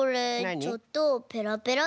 ちょっとペラペラだよね。